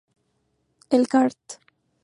El card.